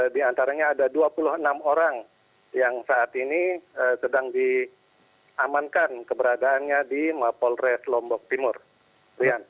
di antaranya ada dua puluh enam orang yang saat ini sedang diamankan keberadaannya di mapolres lombok timur